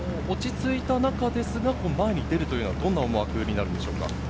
落ち着いた中ですが前に出るというのはどんな思惑になるんでしょうか？